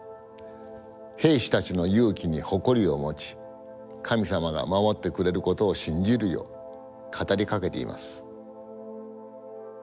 兵士たちの勇気に誇りを持ち神様が守ってくれることを信じるよう語りかけています。